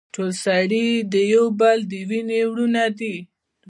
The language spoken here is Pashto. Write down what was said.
ټول سړي د يو بل د وينې وروڼه دي.